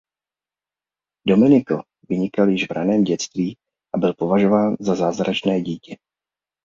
Domenico vynikal již v raném dětství a byl považován za zázračné dítě.